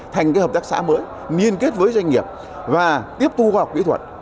thành hợp tác xã mới liên kết với doanh nghiệp và tiếp thu khoa học kỹ thuật